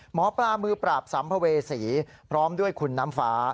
หมอปลามือปราบสัมภเวษีพร้อมด้วยคุณน้ำฟ้า